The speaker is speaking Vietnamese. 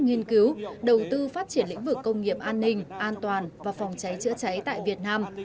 nghiên cứu đầu tư phát triển lĩnh vực công nghiệp an ninh an toàn và phòng cháy chữa cháy tại việt nam